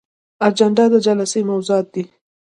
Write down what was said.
اجنډا د جلسې موضوعات دي